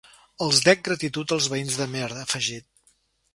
Els dec gratitud als veïns d’Amer, ha afegit.